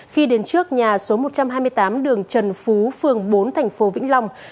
khi đến trước nhà số một trăm hai mươi tám đường trần phú phường bốn tp vĩnh long